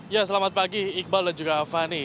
ya selamat pagi iqbal dan juga fani